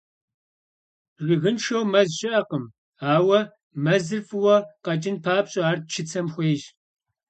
Жыгыншэу мэз щыӏэкъым, ауэ мэзыр фӏыуэ къэкӏын папщӏэ, ар чыцэм хуейщ.